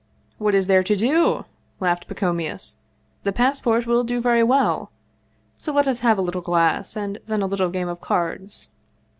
"What is there to do?" laughed Pacomius; "the pass port will do very well. So let us have a little glass, and then a little game of cards."